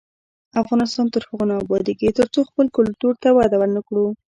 افغانستان تر هغو نه ابادیږي، ترڅو خپل کلتور ته وده ورنکړو.